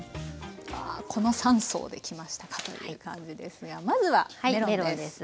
わあこの３層できましたかという感じですがまずはメロンです。